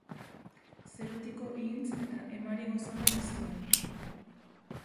Zerutiko ihintz eta emari gozo den eztia.